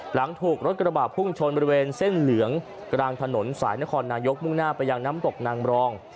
หลังถูกรถกระบาดพุ่งชนบริเวณเส้นเหลืองกลางถนนสายนครนายกมุ่งหน้าไปยังน้ำตกนางรอง